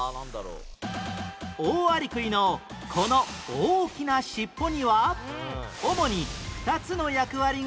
オオアリクイのこの大きな尻尾には主に２つの役割があります